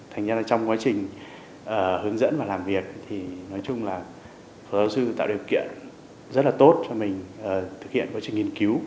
thành ra là trong quá trình hướng dẫn và làm việc thì nói chung là phó giáo sư tạo điều kiện rất là tốt cho mình thực hiện quá trình nghiên cứu